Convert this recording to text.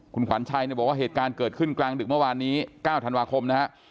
คุณขวัญชัยเนี่ยบอกว่าเหตุการณ์เกิดขึ้นกลางดึกเมื่อวานนี้๙ธันวาคมนะฮะ